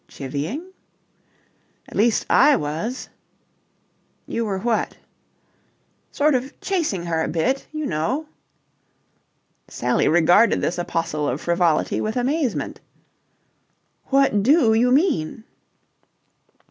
"Chivvying?" "At least I was." "You were what?" "Sort of chasing her a bit, you know." Sally regarded this apostle of frivolity with amazement. "What do you mean?"